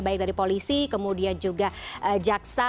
baik dari polisi kemudian juga jaksa